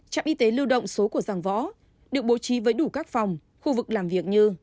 trạm y tế lưu động số của giang võ được bố trí với đủ các phòng khu vực làm việc như